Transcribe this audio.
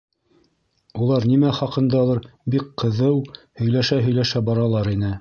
Улар нимә хаҡындалыр бик ҡыҙыу һөйләшә-һөйләшә баралар ине.